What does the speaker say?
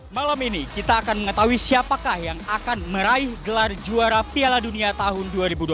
malam ini kita akan mengetahui siapakah yang akan meraih gelar juara piala dunia tahun dua ribu dua puluh tiga